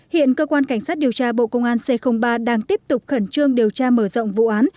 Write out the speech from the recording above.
hiện cơ quan cảnh sát điều tra bộ công an c ba đang tiếp tục khẩn trương điều tra mở rộng vụ án